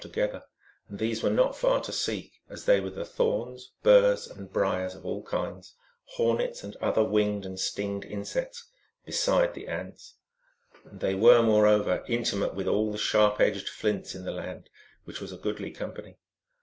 151 flock together, and these were not far to seek, as they were the Thorns, Burrs, and Briers of all kinds, Hor nets and other winged and and stinged insects, besides the Ants. And they were, moreover, intimate with all the sharp edged Flints in the land, which was a goodly company.